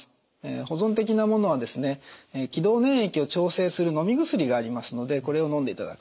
保存的なものは気道粘液を調整するのみ薬がありますのでこれをのんでいただく。